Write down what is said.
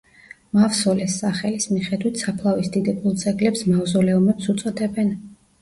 მავსოლეს სახელის მიხედვით საფლავის დიდებულ ძეგლებს მავზოლეუმებს უწოდებენ.